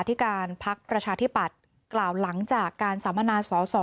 ที่การพักประชาธิปัตย์กล่าวหลังจากการสัมมนาสอสอ